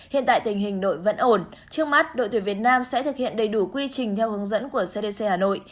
hiện tại tình hình đội vẫn ổn trước mắt đội tuyển việt nam sẽ thực hiện đầy đủ quy trình theo hướng dẫn của cdc hà nội